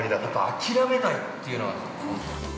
◆諦めないというのはね。